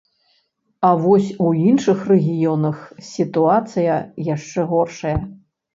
А вось у іншых рэгіёнах сітуацыя яшчэ горшая.